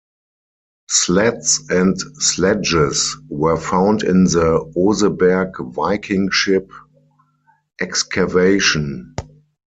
Sleds and sledges were found in the Oseberg "Viking" ship excavation.